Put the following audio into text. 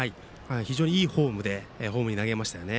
非常にいいフォームでホームに投げましたよね。